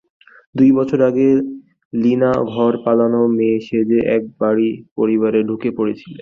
দুই বছর আগে, লীনা ঘর পালানো মেয়ে সেজে এক পরিবারে ঢুকে পড়েছিল।